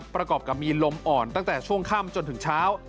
ประกอบกับมีลมอ่อนตั้งแต่ช่วงค่ำจนถึงเช้า